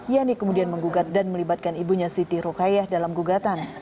yani kemudian menggugat dan melibatkan ibunya siti rokayah dalam gugatan